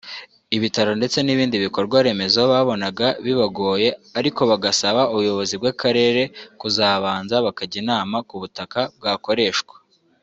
ibitaro ndetse n’ibindi bikorwaremezo babonaga bibagoye ariko bagasaba ubuyobozi bw’akarere kuzabanza bakajya inama ku butaka bwakoreshwa